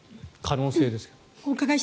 可能性ですが。